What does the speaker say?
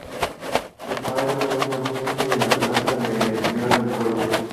Su padre fue el conserje de la Casa de empeño del pueblo.